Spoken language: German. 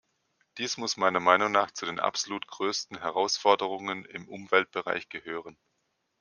Dies muss meiner Meinung nach zu den absolut größten Herausforderungen im Umweltbereich gehören.